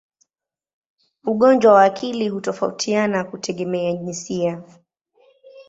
Ugonjwa wa akili hutofautiana kutegemea jinsia.